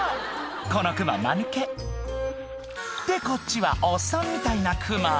このクママヌケでこっちはおっさんみたいなクマ